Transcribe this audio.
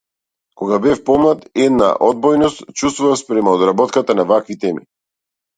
Кога бев помлад една одбојност чувствував спрема обработката на вакви теми.